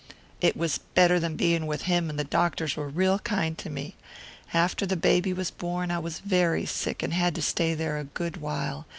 "It was better than being with him; and the doctors were real kind to me. After the baby was born I was very sick and had to stay there a good while.